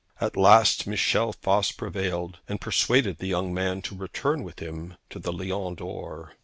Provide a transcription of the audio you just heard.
At last Michel Voss prevailed, and persuaded the young man to return with him to the Lion d'Or.